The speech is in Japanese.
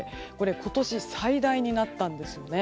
今年最大になったんですね。